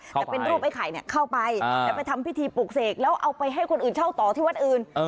แต่เป็นรูปไอ้ไข่เข้าไปจะไปทำพิธีปลูกเสกแล้วเอาไปให้คนอื่นเช่าต่อที่วัดอื่น